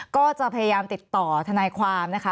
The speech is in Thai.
ก็จะพยายามติดต่อทนายความนะคะ